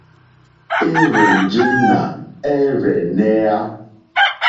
Érzènjé nà ɛ́rzɛ̀nɛ́á.